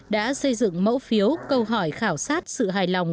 đã xây dựng mẫu phiếu câu hỏi khảo sát sự hài lòng